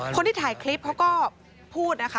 คนที่ถ่ายคลิปเขาก็พูดนะคะ